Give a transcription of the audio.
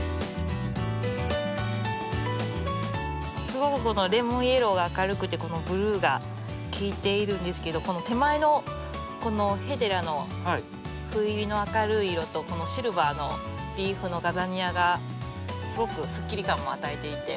すごくこのレモンイエローが明るくてこのブルーがきいているんですけどこの手前のこのヘデラのふ入りの明るい色とこのシルバーのリーフのガザニアがすごくすっきり感も与えていて。